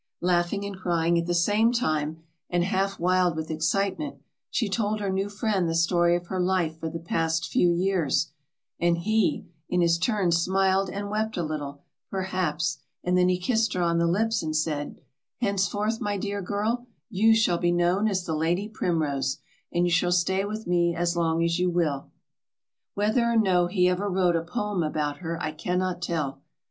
Laughing and crying at the same time, and half wild with excitement, she told her new friend the story of her life for the past few years; and he, in his turn, smiled and wept a little, perhaps, and then he kissed her on the lips, and said, "Henceforth, my dear girl, you shall be known as the Lady Primrose, and you shall stay with me as long as you will." Whether or no he ever wrote a poem about her I can not tell.